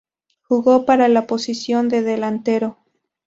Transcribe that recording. Jugó para la posición de delantero.